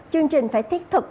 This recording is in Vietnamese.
chương trình phải thiết thực